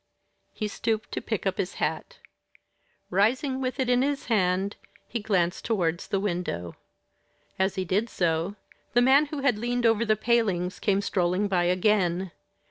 He stooped to pick up his hat. Rising with it in his hand, he glanced towards the window. As he did so, the man who had leaned over the palings came strolling by again.